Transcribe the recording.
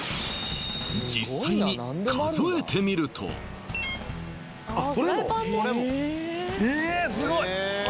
実際に数えてみるとえっすごい！